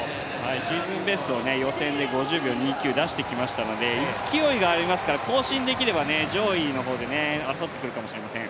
シーズンベストを予選で５０秒２９出してきましたので、勢いがありますから、更新できれば上位の方で争ってくるかもしれません。